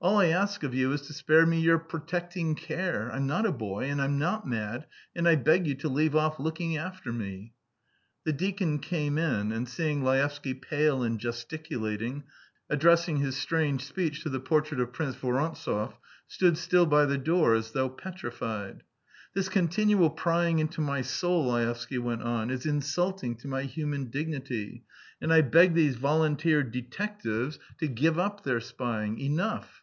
All I ask of you is to spare me your protecting care. I'm not a boy, and I'm not mad, and I beg you to leave off looking after me." The deacon came in, and seeing Laevsky pale and gesticulating, addressing his strange speech to the portrait of Prince Vorontsov, stood still by the door as though petrified. "This continual prying into my soul," Laevsky went on, "is insulting to my human dignity, and I beg these volunteer detectives to give up their spying! Enough!"